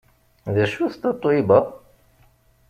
D acu d Tatoeba?